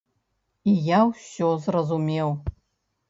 І я ўсё зразумеў.